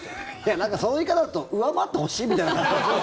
なんか、その言い方だと上回ってほしいみたいな感じに。